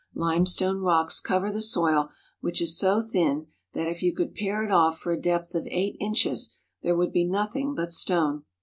Limestone rocks cover the soil, which is so thin that if you could pare it off for a depth of eight inches there would be nothing but stone.